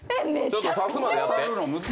刺すまでやって。